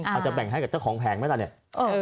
อาจจะแบ่งให้กับเจ้าของแผงไหมล่ะเนี่ย